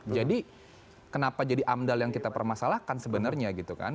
jadi kenapa jadi amdal yang kita permasalahkan sebenarnya gitu kan